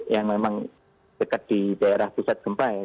yang memang dekat di daerah pusat gempa ya